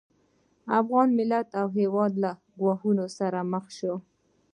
افغان ملت او هېواد له ګواښونو سره مخ شو